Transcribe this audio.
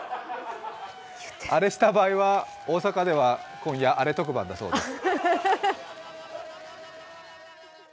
アレした場合は大阪では今夜アレ特番だそうです。